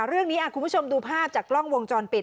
เรื่องนี้คุณผู้ชมดูภาพจากกล้องวงจรปิด